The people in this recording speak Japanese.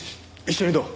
一緒にどう？